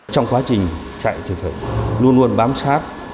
trong quá trình chạy luôn luôn bám sát